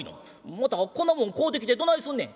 またこんなもん買うてきてどないすんねん」。